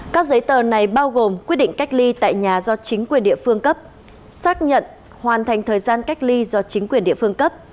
các giấy tờ này bao gồm quyết định cách ly tại nhà do chính quyền địa phương cấp xác nhận hoàn thành thời gian cách ly do chính quyền địa phương cấp